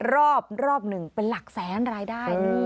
รอบรอบหนึ่งเป็นหลักแสนรายได้